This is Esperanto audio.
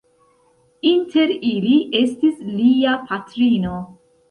Inter ili estis Lia patrino.